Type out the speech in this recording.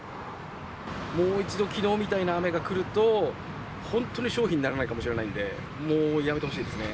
もう一度きのうみたいな雨がくると、本当に商品にならないかもしれないので、もう、やめてほしいですね。